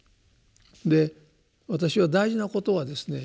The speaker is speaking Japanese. で私は大事なことはですね